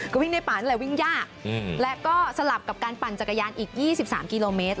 ก็วิ่งในป่านั่นแหละวิ่งยากและก็สลับกับการปั่นจักรยานอีก๒๓กิโลเมตร